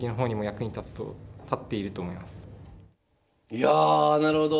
いやなるほど。